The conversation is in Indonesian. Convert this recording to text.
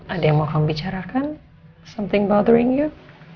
ada yang mau kamu bicarakan ada yang mengganggu kamu